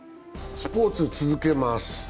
スポーツ、続けます。